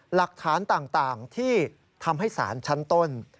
หลักฐานต่างที่ทำให้สารชั้นต้น